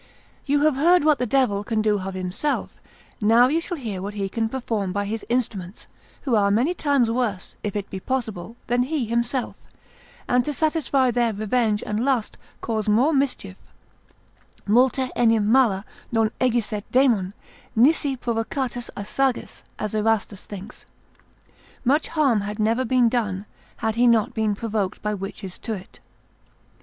You have heard what the devil can do of himself, now you shall hear what he can perform by his instruments, who are many times worse (if it be possible) than he himself, and to satisfy their revenge and lust cause more mischief, Multa enim mala non egisset daemon, nisi provocatus a sagis, as Erastus thinks; much harm had never been done, had he not been provoked by witches to it.